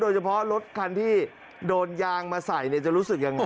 โดยเฉพาะรถคันที่โดนยางมาใส่เนี่ยจะรู้สึกยังไง